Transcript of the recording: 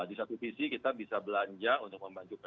di satu visi kita bisa belanja untuk membanjur